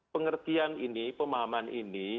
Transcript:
pengertian ini pemahaman ini